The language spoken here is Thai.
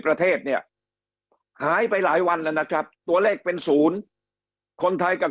ประเทศเนี่ยหายไปหลายวันแล้วนะครับตัวเลขเป็นศูนย์คนไทยกับ